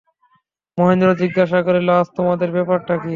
মহেন্দ্র জিজ্ঞাসা করিল, আজ তোমাদের ব্যাপারটা কী।